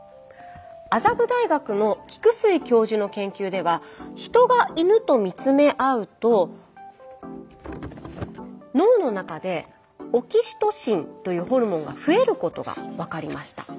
麻布大学の菊水教授の研究では人が犬と見つめ合うと脳の中でオキシトシンというホルモンが増えることが分かりました。